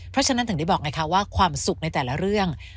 เพราะฉะนั้นถึงได้บอกไงคะว่าความสุขในแต่ละเรื่อง